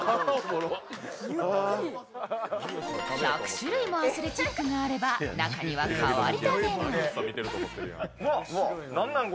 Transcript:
１００種類もアスレチックがあれば中には変わり種も何なん？